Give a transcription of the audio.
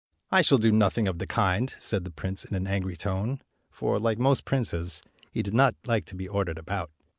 " I shall do nothing of the kind," said the prince in an angry tone ; for, like most princes, he did not like to be ordered about.